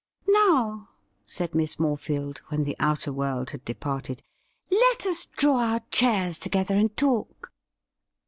' Now,' said Miss Morefield, when the outer world had departed, ' let us draw our chairs together and talk.'